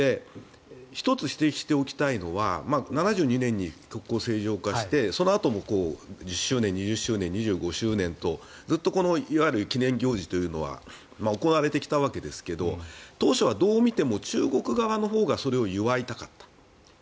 １つ、指摘しておきたいのは７２年に国交正常化してそのあとも１０周年、２０周年、２５周年とずっといわゆる記念行事というのは行われてきたわけですが当初はどう見ても中国側のほうがそれを祝いたかった。